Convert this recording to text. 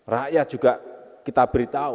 rakyat juga kita beritahu